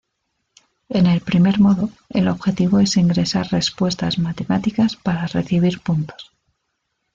En el primer modo, el objetivo es ingresar respuestas matemáticas para recibir puntos.